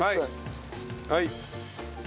はい。